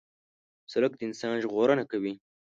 سړک د انسان ژغورنه کوي.